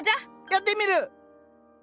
やってみる！